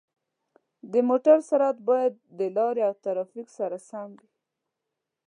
د موټر سرعت باید د لارې او ترافیک سره سم وي.